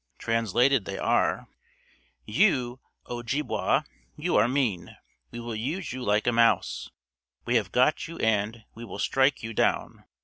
Translated they are: You Ojibway, you are mean, We will use you like a mouse. We have got you and We will strike you down.